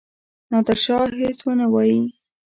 نادرشاه هیڅ ونه وايي.